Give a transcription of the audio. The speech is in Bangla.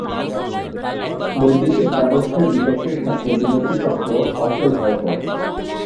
বৈদ্যুতিক ব্যবস্থার বিকাশের সাথে বিনতি চক্র অচল হয়ে পড়ে।